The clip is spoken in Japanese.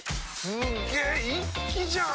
すげ一気じゃん！